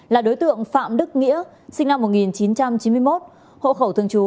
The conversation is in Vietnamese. là đối tượng phạm đức nghĩa sinh năm một nghìn chín trăm chín mươi một hộ khẩu thường trú